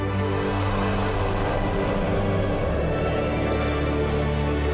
kamu takut kehilangan suara kamu